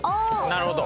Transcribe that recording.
なるほど。